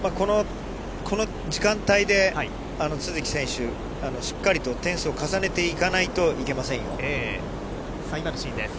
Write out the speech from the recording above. この時間帯で都筑選手、しっかりと点数を重ねていかないといけませんよね。